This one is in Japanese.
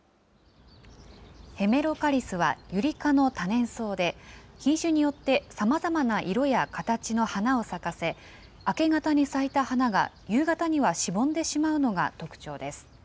ヘメロカリスはユリ科の多年草で、品種によってさまざまな色や形の花を咲かせ、明け方に咲いた花が夕方にはしぼんでしまうのが特徴です。